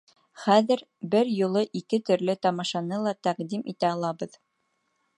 Хәҙер бер юлы ике төрлө тамашаны ла тәҡдим итә алабыҙ.